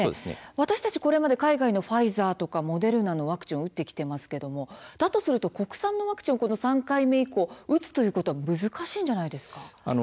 私たちこれまで海外のファイザーとかモデルナのワクチンを打ってきていますけれどもだとすると国産のワクチンを３回目以降打つのは難しいんじゃないでしょうか。